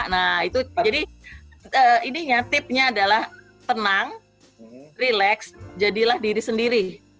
nah itu jadi tipnya adalah tenang relax jadilah diri sendiri